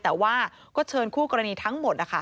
แต่ว่าก็เชิญคู่กรณีทั้งหมด